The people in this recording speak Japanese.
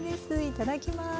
いただきます。